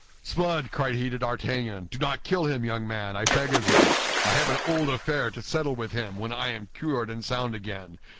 "S'blood!" cried he to D'Artagnan, "do not kill him, young man, I beg of you. I have an old affair to settle with him when I am cured and sound again.